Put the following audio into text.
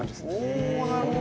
おおなるほど。